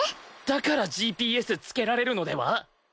だからＧＰＳ付けられるのでは？